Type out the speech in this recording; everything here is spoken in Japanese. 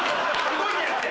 動いてるって！